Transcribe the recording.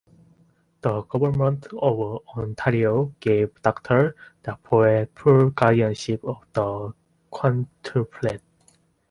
The government of Ontario gave Doctor Dafoe full guardianship of the quintuplets.